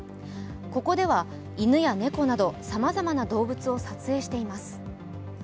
ここでは犬や猫などさまざまな動物を撮影しています。